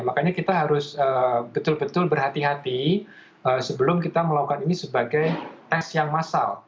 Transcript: makanya kita harus betul betul berhati hati sebelum kita melakukan ini sebagai tes yang massal